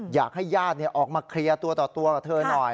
อยากให้ญาติออกมาเคลียร์ตัวต่อตัวกับเธอหน่อย